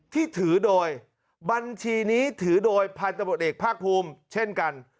ที่ถือโดยบัญชีนี้ถือโดยพันธบทเอกภาคภูมิเช่นกัน